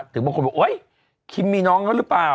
ถึงบางคนบอกโอ๊ยคิมมีน้องเขาหรือเปล่า